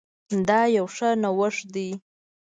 دا يو ښه نوښت ده